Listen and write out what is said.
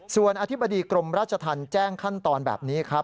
ส่วนอธิบดีกรมราชธรรมแจ้งขั้นตอนแบบนี้ครับ